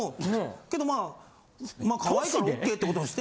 けどまあ可愛いからＯＫってことにして。